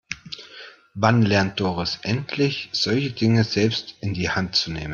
Wann lernt Doris endlich, solche Dinge selbst in die Hand zu nehmen?